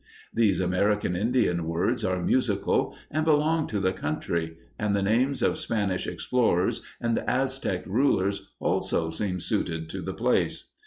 These American Indian words are musical and belong to the country, and the names of Spanish explorers and Aztec rulers also seem suited to the place.